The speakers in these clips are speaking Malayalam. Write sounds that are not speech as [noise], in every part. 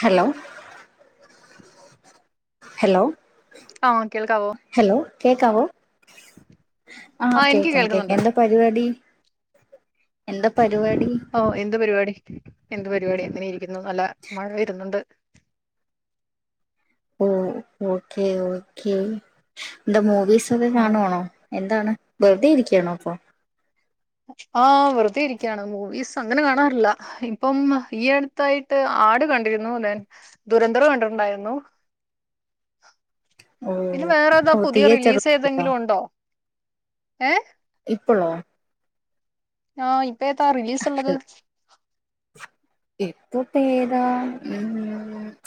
ഹലോ ഹലോ ആ കേൾക്കാവോ ഹലോ കേക്കാവോ ആഹ് എനിക്ക് കേക്കാം കേക്കാം കേൾക്കുന്നുണ്ട് എന്താ പരിപാടി എന്താ പരിപാടി ഓ എന്ത് പരിപാടി എന്ത് പരിപാടി അങ്ങനെ ഇരിക്കുന്നു നല്ല മഴ വരുന്നുണ്ട് ഓ ഓക്കേ ഓക്കേ എന്താ മൂവീസ് ഒക്കെ ആഹ് കാണുവാണോ എന്താണ് വെറുതെ ഇരിക്കാണോ ഇപ്പോ ആഹ വെറുതെ ഇരിക്കാണ് മൂവീസ് അങ്ങനെ കാണാറില്ല ഇപ്പം ഈ അടുത്തായിട്ട് ആട് കണ്ടിരുന്നു ദൻ ദുരന്തർ കണ്ടിട്ടുണ്ടായിരുന്നു ഓ ഇനി വേറെതോ ഓ പുതിയ തിയേറ്ററിൽ റിലീസ് പോയിട്ടോ ഏതെങ്കിലും ഉണ്ടോ ഏ ഇപ്പളോ ആഹ് ഇപ്പ ഏതാ റിലീസുള്ളത് ഇപ്പപേത ഉം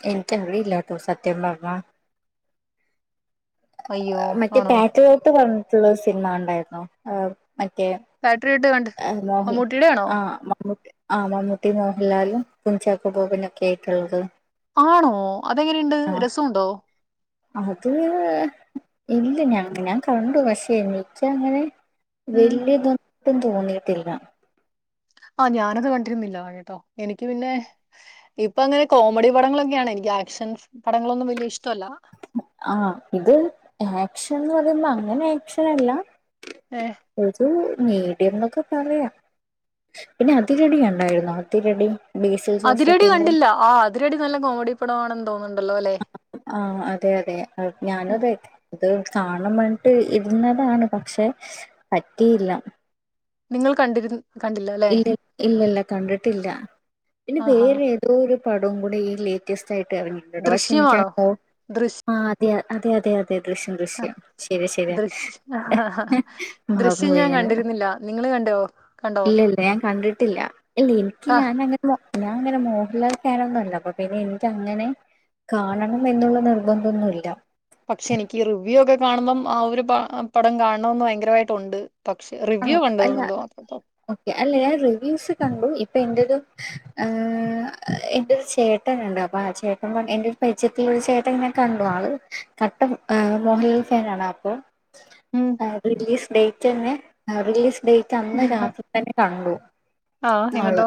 എനിക്ക് അറിയില്ലാട്ടോ സത്യം പറഞ്ഞാ അയ്യോ മറ്റേ ആണോ പാട്രിയോട്ട് പറഞ്ഞിട്ടുള്ളൊരു സിനിമ ഉണ്ടായിരുന്നു മറ്റേ ബാറ്ററിയിട്ട് കണ്ട് മോഹൽ മമ്മൂട്ടിയുടെ ആണോ ആഹ് മമ്മൂട്ടി ആ മമ്മൂട്ടി മോഹൻലാല് കുഞ്ചാക്ക ബോബനൊക്കെ ആയിട്ടുള്ളത് ആണോ അതെങ്ങനെയുണ്ട് ആഹ് രസമുണ്ടോ അത് ഇല്ല ഞാൻ ഞാൻ കണ്ടു പക്ഷെ എനിക്ക് അങ്ങനെ ഉം വലിയ ഇതൊട്ടും തോന്നിയിട്ടില്ല ആഹ് ഞാനത് കണ്ടിരുന്നില്ല കേട്ടോ എനിക്ക് പിന്നെ ഇപ്പൊ അങ്ങനെ കോമഡി പടങ്ങളൊക്കെയാണ് എനിക്ക് ആക്ഷൻ പടങ്ങളൊന്നും വലിയ ഇഷ്ടവല്ല ആഹ് ഇത് ആക്ഷൻന്ന് പറയുമ്പോ അങ്ങനെ ആക്ഷനല്ല ഏ ഒരു മീഡിയം എന്നൊക്കെ പറയാം പിന്നെ അതിരടി കണ്ടായിരുന്നോ അതിരടി ബേസിൽ അതിരടി ജോസഫിന്റെ കണ്ടില്ല ആഹ് അതിരടി നല്ല കോമഡി പടവാണെന്ന് തോന്ന്ണ്ടല്ലോ അല്ലേ ആഹ് അതെ അതെ ഞാനും ഉം, അതെ അത് കാണണംപറന്നിട്ട് ഇരുന്നതാണ് പക്ഷെ പറ്റിയില്ല നിങ്ങൾ കണ്ടിരു കണ്ടില്ല അല്ലെ ഇല്ല ഇല്ലല്ല കണ്ടിട്ടില്ല പിന്നെ ആഹാ വേറെ ഏതോ ഒരു പടവും കൂടി ഈ ലീ ലേറ്റസ്റ്റ് ആയിട്ടെറങ്ങിയിട്ടുണ്ട് പക്ഷെ എനിക്കാ ദൃശ്യമാണോ [unintelligible] ദൃശ് ആഹ് അതെ അതെ അതെ അതെ ദൃശ്യം ദൃശ്യം ശരി ശരിയാ ദൃശ്യ മറന്ന് ദൃശ്യം പോയി ഞാൻ ഞാന് കണ്ടിരുന്നില്ല നിങ്ങള് കണ്ടോ കണ്ടോ ഇല്ല ഇല്ല ഞാൻ കണ്ടിട്ടില്ല ഇല്ല ഇൻക്ക് ആ ഞാനങ്ങനെ മോ ഞാൻ അങ്ങനെ മോഹൻലാൽ ഫാനൊന്നല്ല അപ്പൊ പിന്നെ ഇൻക്ക് അങ്ങനെ കാണണം എന്നുള്ള നിർബന്ധം ഒന്നുല്ല പക്ഷെ ഇനിക്ക് റിവ്യൂ ഒക്കെ കാണുമ്പം ആ ഒരു പടം കാണണമെന്ന് ഭയങ്കരമായിട്ടൊണ്ട് പക്ഷേ റിവ്യൂ ആഹ് [unintelligible] അല്ല മാത്രമുള്ളു ഓക്കെ അല്ലേ ഞാൻ റിവ്യൂസ് കണ്ടു ഇപ്പൊ എൻ്റെത് ഏഹ് എൻ്റൊരു ചേ ട്ടനൊണ്ട് അപ്പൊ ആ ചേട്ടൻ പറ എന്റെ ഒരു പരിചയത്തില് ഒരു ചേട്ടനെ ഞാൻ കണ്ടു ആള് കട്ട ആഹ് മോഹൻലാൽ ഫാനാണപ്പൊ ഉം റിലീസ് ഡേറ്റന്നെ ആഹ് റീലീസ് ഡേറ്റ് അന്ന് രാത്രി തന്നെ കാണാൻപോകും ആ മാളില് എന്നിട്ടോ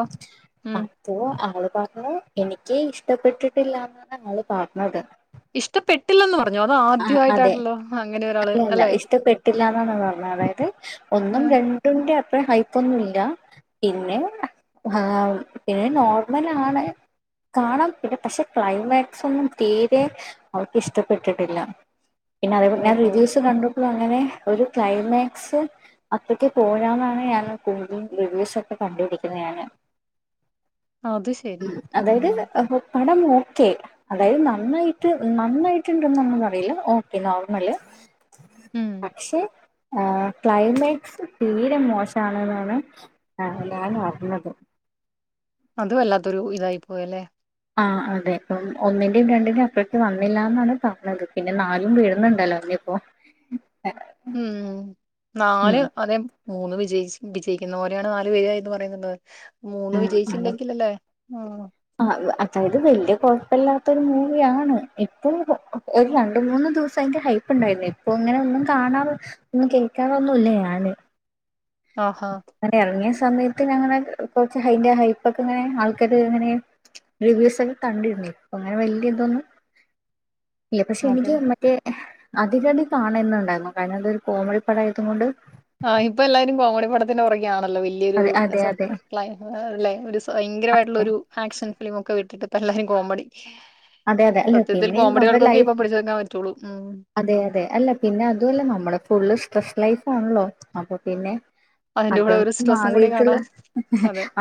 ഉം അപ്പോ ആള് പറഞ്ഞു എനിക്ക് ഇഷ്ടപ്പെട്ടിട്ടില്ലന്നാണ് ആള് പറഞ്ഞത് ഇഷ്ടപ്പെട്ടില്ലെന്ന് പറഞ്ഞോ അത് ആഹ് ആദ്യമായിട്ടാട്ടല്ലോ അങ്ങനെ ഒരാള് അല്ലെ പെട്ടില്ല ന്നാണ് പറഞ്ഞത് അതായത് ഒന്നും ഉം. രണ്ടിന്റെ അത്ര ഹൈപ്പ് ഒന്നുംല്ല പിന്നെ ആഹ് പിന്നെ നോർമലാണ് കാണാം പിന്നെ പക്ഷെ ക്ലൈമാക്സൊന്നും തീരെ അവർക്ക് ഇഷ്ടപ്പെട്ടിട്ടില്ല പിന്നെ അതേപോലെ ഞാൻ ഓഹോ റിവ്യൂസ് കണ്ടപ്പോളുഅങ്ങനെ ഒരു ക്ലൈമാക്സ് അത്രക്കെ പോരാന്നാണ് ഞാൻ ക റിവ്യൂസ് ഒക്കെ കണ്ടിരിക്കുന്നത് ഞാന് അത് ശരി. അതായത് ഉം. പടം ഓക്കെ അതായത് നന്നായിട്ട് നന്നായിട്ടുണ്ടെന്ന് അങ്ങനെ പറയില്ല ഓക്കെ നോർമല് ഉം. പക്ഷെ ആഹ് ക്ലൈമാക് സ് തീരെ മോശാണ്ന്നാണ് ഞാൻ അറിഞ്ഞത് അത് വല്ലാത്തൊരു ഇതായി പോയല്ലെ ആഹ് അതെ ഇപ്പം ഒന്നിന്റെയും രണ്ടിന്റെയും അത്രക്ക് വന്നില്ലാന്നാണ് പറഞ്ഞത് പിന്നെ നാലും വരുന്നുണ്ടല്ലോ ഒന്നിപ്പോ ഉം ഉം, നാല് അതെ മൂന്ന് വിജയിച്ച് വിജയിക്കുന്ന പോലെയാണ് നാല് പേരായിന്ന് പറയുന്നുള്ളത് മൂന്ന് വിജയിച്ചില്ലെങ്കിലല്ലേ ഉം ആഹ് അതായത് വല്ല്യ കൊഴപ്പല്ലാത്തൊരു മൂവിയാണ് ഇപ്പൊ ഒരു രണ്ട് മൂന്ന് ദിവസം ദിവസം അയിന്റെ ഹൈപ്പ് ഒണ്ടായിരുന്ന് ഇപ്പൊ ഇങ്ങനെ ഒന്നും കാണാറോ ഒന്നും കേൾക്കാറൊന്നുല്ല ഞാന് ആഹാ അങ്ങനെ എറങ്ങിയ സമയത്തങ്ങനെ കൊറച്ച് അയ്ന്റെ ഹൈപ്പ് ഒക്കെ ഇങ്ങനെ ആൾക്കാര് ഇങ്ങനെ റിവ്യൂസൊക്കെ കണ്ടിരുന്നു ഇപ്പൊ അങ്ങനെ വല്ല്യ ഇതൊന്നും ഇല്ല പക്ഷെ അതെ. എനിക്ക് മറ്റേ അതിരടി കാണംന്നുണ്ടായിരുന്നു. കാരണം അതൊരു കോമഡി പടായത് കൊണ്ട് ആഹ് ഇപ്പൊ എല്ലാവരും കോമഡി പടത്തിന് പുറകെ ആണല്ലോ വല്ല്യൊരു അതെ അതെ [unintelligible] അതെ ക്‌ളൈ അല്ലെ ഒരു ഭയങ്കരമായിട്ടുള്ള ഒരു ആക്ഷൻ ഫിലിമോക്കെ വിട്ടിട്ട് ഇപ്പ എല്ലാരും കോമഡി അതെ അതെ അല്ല സത്യത്തിൽ പിന്നെ നമ്മുടെ കോമഡികൾക്കൊക്കെ ലൈഫ് ഇപ്പം പിടിച്ചു നിക്കാൻ പറ്റുള്ളൂ ഉം. അതെ അതെ. അല്ല പിന്നെ അതു അല്ല നമ്മള് ഫുള്ള് സ്ട്രെസ് ലൈഫ് ആണല്ലോ. അപ്പൊ പിന്നെ, അതിന്റെ കൂടെ ഒരു അതൊന്നും സ്ട്രെസ്സും കൂടി മാറിയിട്ടുള്ള, കാണാൻ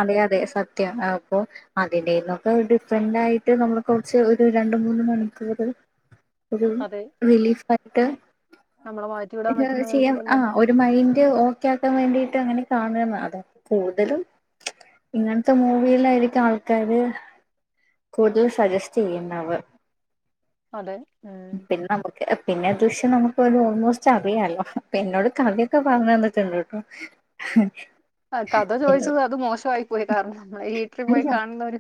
അതെ അതെ സത്യാ. അ പ്പൊ അതിന്റെന്നൊക്കെ ഡിഫറന്റ് ആയിട്ട് നമ്മള് കൊ ച്ച് ഒരു രണ്ട് മൂന്ന് മണിക്കൂറ് ഒരു അതെ. റിലീഫായിട്ട് നമ്മളെ മാറ്റി വിടാൻ ഇത് പറ്റുന്ന ചെയ്യാം വിധത്തിലല്ല. ആഹ് ഒരു മൈൻഡ് ഓക്കെ ആക്കാൻ വേണ്ടിട്ട് അങ്ങനെ കാണാണ് അത കൂടുതലും ഇങ്ങനത്തെ മൂവിയിലായിരിക്കാം ആൾക്കാര് കൂടുതൽ സജസ്റ്റ് ചെയ്യുന്നവ്. അതെ. ഉം. പിന്നെ നമു ക് പിന്നെ ദൃശ്യം നമുക്ക് ഒരു ഓൾമോസ്റ്റ് അറിയാല്ലോ അപ്പൊ എന്നോട് കഥയൊക്കെ പറഞ്ഞു തന്നിട്ടുണ്ട് ട്ടോ. ആഹ്. കഥ ചോദിച്ചത് അത് മോശമായി പോയി കാരണം നമ്മളെ [unintelligible] പോയി അല്ല കാണുന്നവര്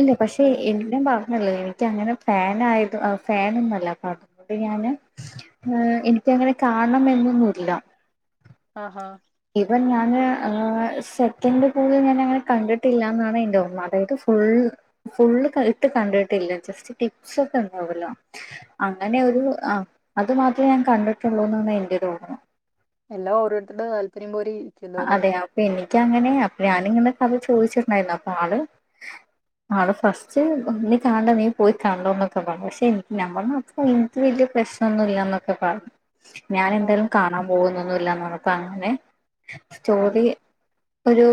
ഇല്ല പക്ഷേ എ ഞാൻ പറഞ്ഞല്ലോ എനിക്കങ്ങനെ ഫാൻ ആയത് ഔഹ് ഫാനൊന്നല്ല. അപ്പത് കൊണ്ട് ഞാന് ഏഹ് എനിക്കങ്ങനെ കാണണം എന്നൊന്നുംല്ല. ആഹാ. ഇവൻ ഞാന് ഏഹ് സെക്കൻഡ് പോലും ഞാനങ്ങനെ കണ്ടിട്ടില്ല എന്നാണ് എൻ്റെ ഓർമ്മ. അതായത് ഫുൾ ഫുള്ള് ക ഇട്ട് കണ്ടിട്ടില്ല ജസ്റ്റ് പിക്സോക്കെ ഇണ്ടാവല്ലോ. അങ്ങനെ ഒരു ആഹ് അത് മാത്രേ ഞാൻ കണ്ടിട്ടുള്ളൂന്നാണ് എന്റെരോർമ്മ. എല്ലാം ഓരോരുത്തരുടെ താല്പര്യം പോരി അതെ. അപ്പെനിക്കങ്ങനെ അപ്പെ ഞാനിങ്ങനെ കഥ ചോദിച്ചിട്ടുണ്ടായിരുന്നു. അപ്പൊ ആള് ആള് ഫസ്റ്റ് നീ കാണണ്ട നീ പോയി കണ്ടോന്നൊക്കെ പറഞ്ഞ് പക്ഷെ എനിക്ക് ഞാ പറഞ്ഞു അപ്പോ ത് വലിയ പ്രശ്നൊന്നുല്ലാന്നൊക്കെ പറഞ്ഞു. ഞാൻ എന്തായാലും ആഹ് കാണാൻ പോകുന്നൊന്നുംല്ലാന്ന് പറഞ്ഞപ്പ അങ്ങനെ ആഹ് സ്റ്റോറി ഒരു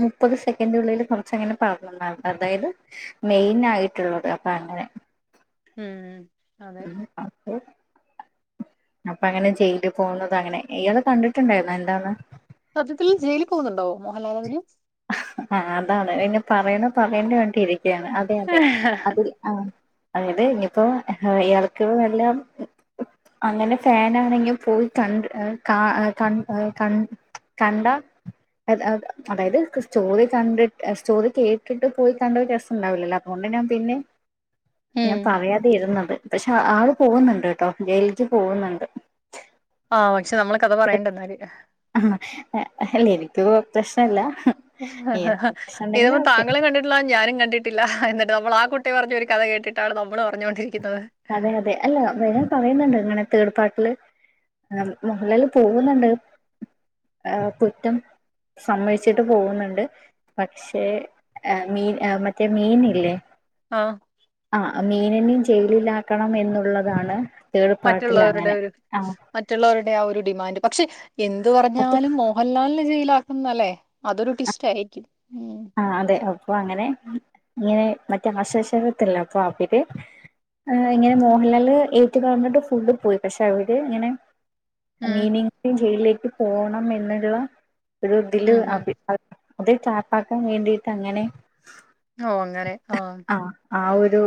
മുപ്പത് സെക്കൻഡിള്ളിൽ കുറച്ചങ്ങനെ പറഞന്നാ. അതായത് മെയിൻ ആയിട്ടുള്ളത് അപ്പ അങ്ങനെ. ഉം അതെ. [unintelligible] അപ്പൊ അങ്ങനെ ജയില് പോകുന്നത് അങ്ങനെ. ഇയാള് കണ്ടിട്ടുണ്ടായിരുന്നോ എന്താന്ന്? സത്യത്തിൽ ജയിലി പോകുന്നുണ്ടോ മോഹൻലാലതില്? ആഹ് അതാണ് അയ്ന് പറയണോ പറയണ്ടേ പർഞ്ഞിട്ടിരിക്ക്യാണ്. അതെ അതെ അതിൽ ആഹ് അതായത് ഇനിപ്പോ ഇയാൾക്ക് വെല്ലം അങ്ങനെ ഫാനാണെങ്കി പോയി കണ്ട് കാ കൺ കൺ കണ്ടാ അത് അത് അതായത് സ്‌റ്റോറി കണ്ടിട്ട് എഹ് സ്‌റ്റോറി കേട്ടിട്ട് പോയി കണ്ടാ ഒരു രസണ്ടാവില്ലല്ലോ അതോണ്ട് ഞാൻ പിന്നെ ഞാൻ ഉം പറയാതെ ഇരുന്നത് പക്ഷെ ആള് പോകുന്നുണ്ട് ട്ടോ ജയില്ക്ക്യ് പോകുന്നുണ്ട്. ആഹ് പക്ഷെ നമ്മള് കഥ പറയേണ്ടന്നാല്. ഹാഹ് അ ഹല്ലേ എനക്ക് കൊയ് പ്രശ്നല്ല. ഇതിപ്പം താങ്കളും കണ്ടി ട്ടില്ല ഞാനും കണ്ടിട്ടില്ല എന്നിട്ട് നമ്മൾ ആ കുട്ടി പറഞ്ഞ ഒരു കഥ കേട്ടിട്ടാണ് നമ്മള് പറഞ്ഞോണ്ടിരിക്കുന്നത്. അതെ അതെ. അല്ല വരാൻ പറയുന്നുണ്ട് ഇങ്ങനെ തേർഡ് പാർട്ടില് ആഹ് മോഹൻലാൽ പോകുന്നുണ്ട് ഏഹ് കുറ്റം സമ്മയിച്ചിട്ട് പോകുന്നുണ്ട് പക്ഷേ മീൻ മറ്റേ മീൻ ഇല്ലേ ആഹ് ആ മീനനെയും ജയിലിലാക്കണം എന്നുള്ളതാണ് തേർഡ് പാർട്ടിൽ മറ്റുള്ളവരുടെ അങ്ങനെ ഒരു ആ മറ്റുള്ളവരുടെ ആ ഒരു ഡിമാൻഡ് പക്ഷെ എന്ത്‌ പറഞ്ഞാലും മൊ വല്ലാലെ ജയിലാക്കുന്നല്ലേ അതൊരു ടിസ്റ്റ് ആയിരിക്കും ഉം ആഹ് അതെ അപ്പൊ അങ്ങനെ ഇങ്ങനെ മറ്റേ ആശശരത്തില്ല അപ്പൊ അവര് ഏ ഇങ്ങനെ മോഹൻലാല് ഏറ്റു പറന്നിട്ട് ഫുള്ള് പോയി പക്ഷെ അവര് ഇങ്ങനെ ഉം മീനയും കൂടി ജെയിലിലേക്ക് പോണം എന്നുള്ള ഒരു ഇതില് ഉം ഉം. അഭി അത് ട്രാപ്പാക്കാൻ വേണ്ടിട്ട് അങ്ങനെ ഓ അങ്ങനെ ഓ ആഹ് ആ ഒരു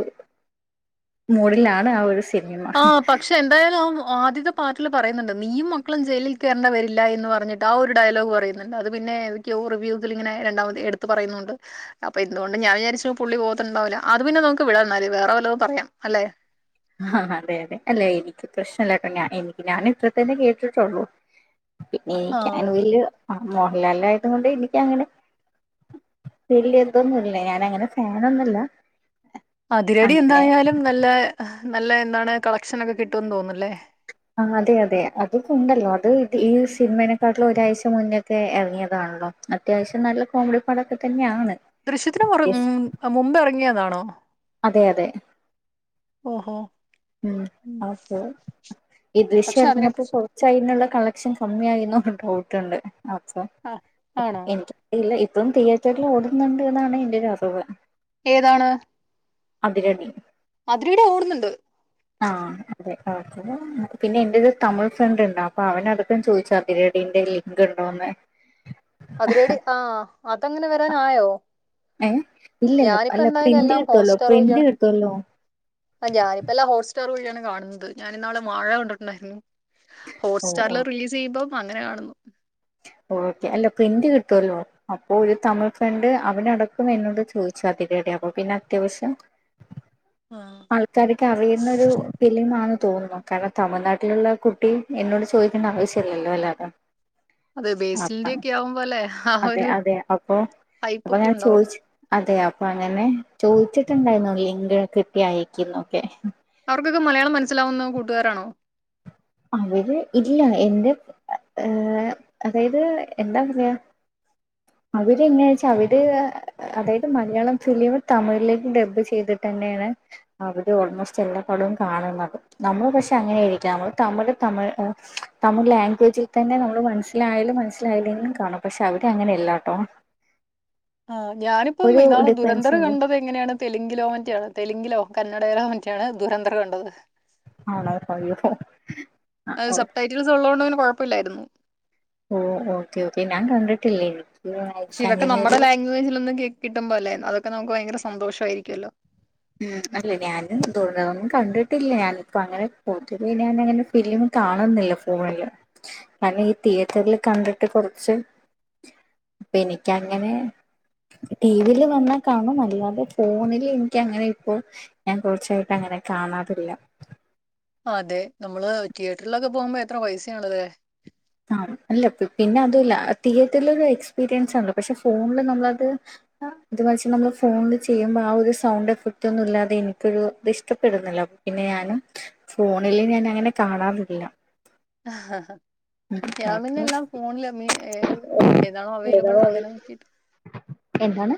മൂഡിലാണ് ആ ഒരു സ് ആഹ് പക്ഷെ എന്തായാലും അവൻ ആദ്യത്തെ പാർട്ടില് പറയുന്നുണ്ട് നീയും മക്കളും ജയിലിൽ കേറണ്ടി വരില്ല എന്ന് പറഞ്ഞിട്ട് ആ ഒരു ഡയലോഗ് പറയുന്നുണ്ട് അത് പിന്നെ ഏതൊക്കെയോ റിവ്യൂസിൽ ഇങ്ങെ രണ്ടാമത് എടുത്ത് പറയുന്നുണ്ട് അപ്പൊ എന്ത് കൊണ്ടും ഞാൻ വിചാരിച്ചു പുള്ളി പോത്തണ്ടാവില്ല അത് പിന്നെ നുക്ക് വിടാംന്നാല് വേറെ വല്ലതും പറയാം അല്ലേ ആഹ് അതെ അതെ അല്ലെ എനിക്ക് പ്രശ്നമല്ല ട്ടാ ഞ എനിക്ക് ഞാൻ ഇത്ര തന്നെ കേട്ടിട്ടൊള്ളൂ പിന്നെ ആഹ് എനിക്കാണെങ്കില് മോഹൻലാലായത് കൊണ്ട് എനിക്കങ്ങനെ വല്യതൊന്നുംല്ല ഞാനങ്ങനെ ഫാനൊന്നുമല്ല അതിരടി അങ്ങനെ എന്തായാലും നല്ല നല്ല എന്താണ് കളക്ഷനൊക്കെ കിട്ടുമന്ന് തോന്നല്ലേ ആ അതെ അതെ അതൊക്കെ ഉണ്ടല്ലോ അത് ഇത് ഈ സിനിമേനെക്കാട്ടിലും ഒരാഴ്ച മുന്നൊക്കെ എറങ്ങിയതാണല്ലോ അത്യാവശ്യം നല്ല കോമഡി പടൊക്കെ തന്നെയാണ് ദൃശ്യത്തിന് കുറ യെസ്, മുമ്പ് എറങ്ങിയതാണോ അതെ അതെ ഓഹോ ഉം ഓക്കെ ഈ ദൃശ്യം പക്ഷെ അതിനെ ഇറങ്ങപ്പോ കുറിച്ച് പോ ചൈനുള്ള കളക്ഷൻ കമ്മി ആയി എന്നൊരു ഡൗട്ട്ണ്ട് അപ്പൊ ആഹ് ആണോ എനിക്ക്‌ ഇല്ല ഇപ്പും തിയേറ്ററിൽ ഓടുന്നുണ്ട് എന്നാണ് എന്റെ ഒരു അറിവ് ഏതാണ് അതിരടി. അതിരടി ഓടുന്നുണ്ട്. ആഹ് അതെ ഓ പിന്നെ എന്റെരു തമിഴ് ഫ്രണ്ട്ണ്ട് അപ്പൊ അവനതൊക്കെ ചോദിച്ചാ അതിരടി ന്റെ ലിങ്ക് ഉണ്ടോന്ന്. അതിരടി ആഹ് അതങ്ങനെ വരാനായോ? ഏഹ് ഇല്ലില്ല ഞാനിപ്പോ അല്ല എന്തായാലും പ്രിന്റ് എല്ലാം കിട്ടുവല്ലോ പ്രിന്റ് കിട്ടുവല്ലോ. ആഹ് ഞാനിപ്പ എല്ലാ ഹോട്സ്റ്റാർ വഴിയാണ് കാണുന്നത് ഞാാനിന്നാള് വാഴ കണ്ടിട്ടുണ്ടായിരുന്നു. ഓ ഓ ഹോട്സ്റ്റാറില് റിലീസ് ചെയ്യുമ്പം അങ്ങനെ കാണുന്നു. ഓക്കെ അല്ല പ്രിന്റ് കിട്ടുവല്ലോ. അപ്പൊ ഒരു തമിഴ് ഫ്രണ്ട് അവനടക്കും എന്നോട് ചോദിച്ചു അതിരടി അപ്പൊ പിന്നെ അത്യാവശ്യം. ആഹ്. ആൾക്കാര്ക്ക് അറിയുന്നൊരു ഫിലിം ആണ് തോന്നുന്നു കാരണം തമിഴ്നാട്ടിലുള്ള കുട്ടി. എന്നോട് ചോദിക്കേണ്ട ആവശ്യല്ലല്ലോ അല്ലെ അപ്പം അതെ ബേസിൽന്റെക്കെ ആകുമ്പോലെ ആഹ്. അതെ അതെ. അപ്പൊ ഇപ്പൊഞാൻ ഉണ്ടാവും ചോയ്ച്ച്. അതെ അപ്പൊ അങ്ങനെ ചോദിച്ചിട്ടുണ്ടായിരുന്നു. ലിങ്ക് കിട്ടി അയക്കുന്നൊക്കെ. അവർക്കൊക്കെ മലയാളം മനസ്സിലാവുന്ന കൂട്ടുകാരാണോ? അവര് ഇല്ല. എന്റെ ഏഹ് അതായത് എന്താ പറയാ? അവര് എങ്ങേച്ചാ. അവര് അതായത് മലയാളം ഫിലിം തമിഴിലേക്ക് ഡബ് ചെയ്തിട്ടന്നേണ്. അവര് ഓൾമോസ്റ്റ് എല്ലാ പടവും കാണ് ണത്. നമ്മള് പക്ഷെ അങ്ങനെയിരിക്കാം. തമിഴ് തമിഴ് ആഹ് തമിഴ് ലാംഗ്വേജിൽ തന്നെ നമ്മൾ മനസ്സിലായാലും. മനസ്സിലായല്ലെങ്കിലും കാണും. പക്ഷെ അവിടെ അങ്ങനെയല്ലാട്ടോ. ആഹ്. ഞാനിപ്പം ഒരു ഇന്നാള് ഡിഫറൻസ് ദുരന്തർ ഉണ്ട് കണ്ടത്. ങ്ങനെയാണ് തെലുങ്കിലോ മറ്റെയാണ് തെലുങ്കിലോ കന്നഡയിലോ മറ്റെയാണ് ദുരന്തറ്കണ്ടത്. ആണോ അയ്യോ അഹ് സപ്ടൈറ്റൽസ് ഇള്ളോണ്ട് പിന്നെ കൊഴപ്പല്ലായിരുന്നു. ഓ ഓക്കെ ഓക്കെ. ഞാൻ കണ്ടിട്ടില്ലേയ്നി. പക്ഷെ ഇതൊക്കെ നമ്മടെ ലാംഗ്വേജിൽ ഒന്നും കിട്ടുമ്പെല്ലെ അതൊക്കെ നമുക്ക് ഭയങ്കര സന്തോഷ്വായിരിക്കൊല്ലോ. ഉം. അല്ല ഞാനും തോന്ന്‌ന്നും കണ്ടിട്ടില്ല. ഇപ്പം അങ്ങനെ പോത്തിത് ഞാനങ്ങനെ ഫിലിമ്. കാണുന്നില്ല ഫോണില്. കാര്ണം ഈ തിയേറ്ററിൽ കണ്ടിട്ട് കൊറ്ച്ച്. ഇപ്പെ എനിക്ക് അങ്ങനെ. ട്ടീവില് [unintelligible] ന്നാ കാണും അല്ലാതെ ഫോണില്. ക്ക്‌ അങ്ങനെ ഇപ്പോ. ഞാൻ കൊറച്ചായിട്ട് അങ്ങനെ കാണാതില്ല. ആതെ. നമ്മള് തിയേറ്ററിലൊക്കെ പോകുമ്പോ എത്ര പൈസ ആവ്ണ്ലെ. ആ അല്ല. പിന്നെ അതല്ല തിയേറ്ററില ഒരു എക്സ്പീരിയൻസാണല്ലൊ. പക്ഷെ ഫോണില് നമ്മളത്. ആഹ് ഇത് വെച്ച് നമ്മള് ഫോണില് ചെയ്യുമ്പോ ആ ഒരു സൗണ്ട് എഫക്ട് ഒന്നും ഇല്ലാതെ എനിക്കൊരു ഇത് ഇഷ്ടപ്പെടുന്നില്ല. പിന്നെ ഞാനും. ഫോണില് ഞാൻ അങ്ങനെ കാണാറില്ല. ആഹ് ഹ ഹ. ഞാമിന്നെ എല്ലാം ഫോണില് മീ ഏ ഏതാണോ ഏതാ അവൈലബിൾ അങ്ങനെ നോക്കിട്ട്. എന്താണ്?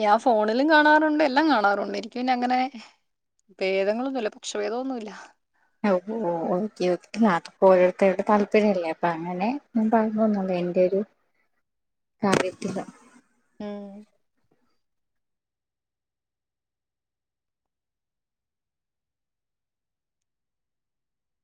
ഞാൻ ഫോണിലും കാണാറുണ്ട്. എല്ലം കാണാറുണ്ട്. എനിക്ക് പിന്നെ അങ്ങനെ. പേദങ്ങളൊന്നുല്ല പക്ഷഭേദമൊന്നു ഇല്ല. ഒ ഓ ഒക്കെ [unintelligible] അത്പ്പോ ഓരോരുത്തരുടെ താല്പര്യംല്ലെ. അപ്പ അങ്ങനെ. ഞാൻ [unintelligible] എന്റെ ഒരു കാര്യത്തില്. ഉം.